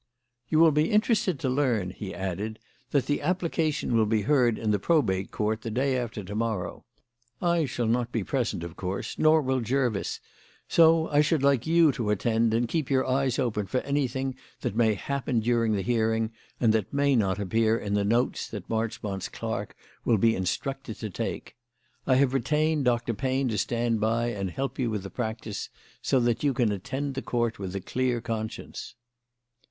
"You will be interested to learn," he added, "that the application will be heard in the Probate Court the day after to morrow. I shall not be present, of course, nor will Jervis, so I should like you to attend and keep your eyes open for anything that may happen during the hearing and that may not appear in the notes that Marchmont's clerk will be instructed to take. I have retained Dr. Payne to stand by and help you with the practice, so that you can attend the Court with a clear conscience."